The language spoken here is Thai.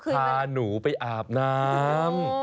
พาหนูไปอาบน้ำ